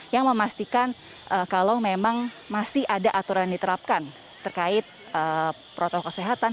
yang memastikan kalau memang masih ada aturan diterapkan terkait protokol kesehatan